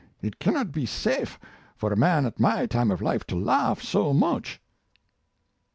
It cannot be safe for a man at my time of life to laugh so much."